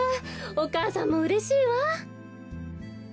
お母さんもうれしいわ。